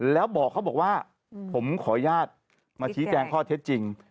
แล้วบอกเขาบอกว่าผมขออนุญาตมาชี้แจงข้อเท็จจริง